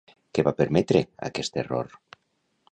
Què va permetre aquest error?